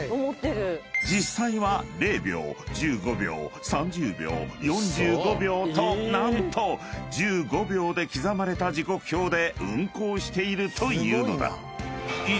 ［実際は０秒１５秒３０秒４５秒と何と１５秒で刻まれた時刻表で運行しているというのだ］